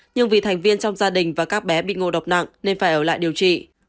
nhưng vì thành viên trong gia đình và các bé bị ngộ độc nặng nên phải ở lại điều trị